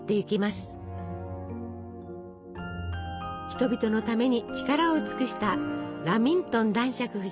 人々のために力を尽くしたラミントン男爵夫人。